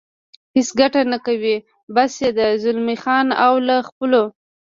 هېڅ ګټه نه کوي، بس یې ده، زلمی خان او له خپلو.